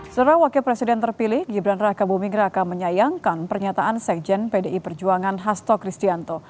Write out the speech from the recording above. setelah wakil presiden terpilih gibran raka buming raka menyayangkan pernyataan sekjen pdi perjuangan hasto kristianto